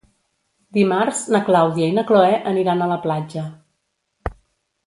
Dimarts na Clàudia i na Cloè aniran a la platja.